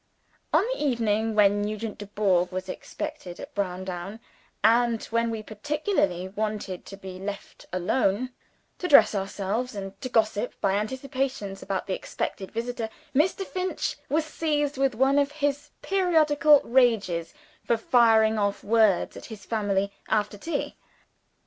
On the evening when Nugent Dubourg was expected at Browndown and when we particularly wanted to be left alone to dress ourselves, and to gossip by anticipation about the expected visitor Mr. Finch was seized with one of his periodical rages for firing off words at his family, after tea.